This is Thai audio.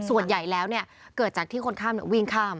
ส่วนใหญ่แล้วเกิดจากที่คนข้ามวิ่งข้าม